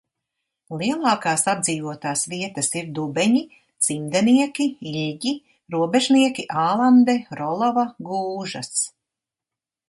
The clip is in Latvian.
Lielākās apdzīvotās vietas ir Dubeņi, Cimdenieki, Iļģi, Robežnieki, Ālande, Rolava, Gūžas.